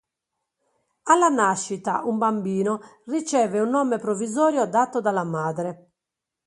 Alla nascita, un bambino riceve un nome provvisorio dato dalla madre.